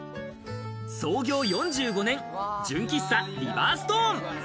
創業４５年、純喫茶リバーストーン。